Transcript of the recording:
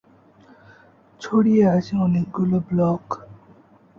ছড়িয়ে আছে অনেকগুলো ব্লক।